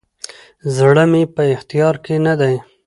زړه مي په اختیار کي نه دی،